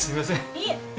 いえ。